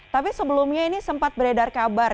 tapi sebelumnya ini sempat beredar kabar